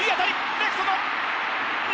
レフトの右！